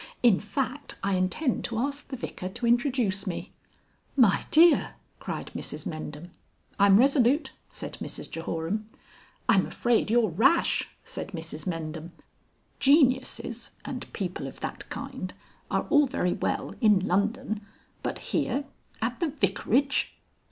In fact, I intend to ask the Vicar to introduce me." "My dear!" cried Mrs Mendham. "I'm resolute," said Mrs Jehoram. "I'm afraid you're rash," said Mrs Mendham. "Geniuses and people of that kind are all very well in London. But here at the Vicarage."